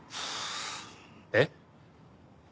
えっ？